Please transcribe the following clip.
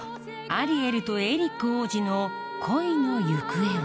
アリエルとエリック王子の恋の行方は？